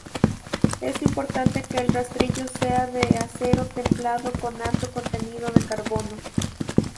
Es importante que el rastrillo sea de acero templado con alto contenido de carbono.